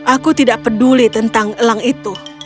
aku tidak peduli tentang elang itu